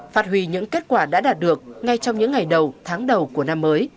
phát huy những kết quả đã đạt được ngay trong những ngày đầu tháng đầu của năm mới